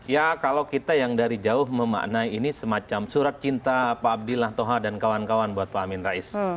ya kalau kita yang dari jauh memaknai ini semacam surat cinta pak abdillah toha dan kawan kawan buat pak amin rais